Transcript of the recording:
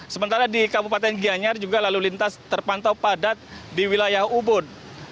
sementara di kabupaten gianyar juga lalu lintas terpantau padat di wilayah ubud